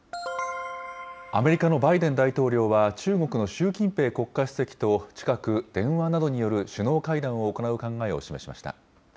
アメリカのバイデン大統領は、中国の習近平国家主席と近く、電話などによる首脳会談を行う考えを示しました。